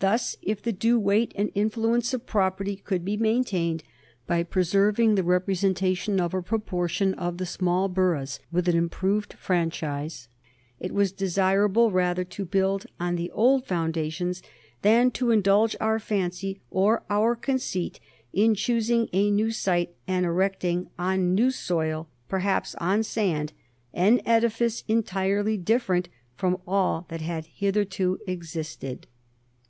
Thus, if the due weight and influence of property could be maintained, by preserving the representation of a proportion of the small boroughs with an improved franchise, it was desirable rather to build on the old foundations than to indulge our fancy or our conceit in choosing a new site and erecting on new soil perhaps on sand an edifice entirely different from all that had hitherto existed."